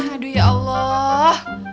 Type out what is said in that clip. aduh ya allah